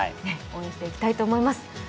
応援していきたいと思います。